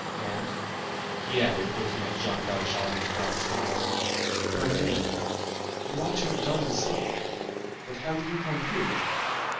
And," he added, looking at Jean Valjean with a broad smile,—"pardieu! you ought to have done the same! But how do you come here?"